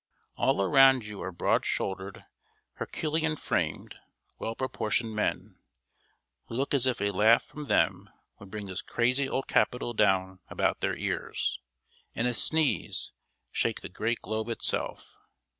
All around you are broad shouldered, herculean framed, well proportioned men, who look as if a laugh from them would bring this crazy old capitol down about their ears, and a sneeze, shake the great globe itself.